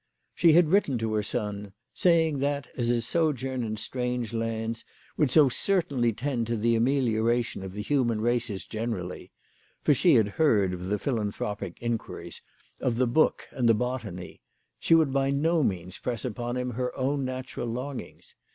She had written to her son, saying that, as his sojourn in strange lands would so certainly tend to the amelioration of the human races generally for she had heard of the philanthropic inquiries, of the book, and the botany she would by no means press upon him her own natural longings.